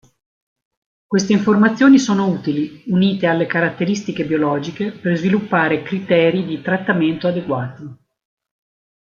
Queste informazioni sono utili, unite alle caratteristiche biologiche, per sviluppare criteri di trattamento adeguati.